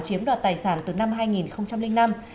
chiếm đoạt tài sản từ năm hai nghìn năm